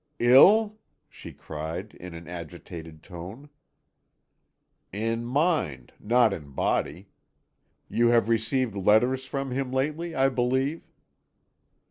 "Ill!" she cried in an agitated tone. "In mind, not in body. You have received letters from him lately, I believe?"